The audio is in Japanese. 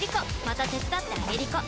また手伝ってあげりこ！